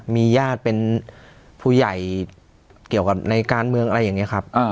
มีญาติเป็นผู้ใหญ่เกี่ยวกับในการเมืองอะไรอย่างนี้ครับ